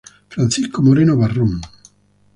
Francisco Moreno Barrón.